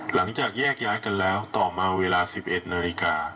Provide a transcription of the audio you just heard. หลังจากแยกย้ายกันแล้วต่อมาเวลา๑๑นาฬิกา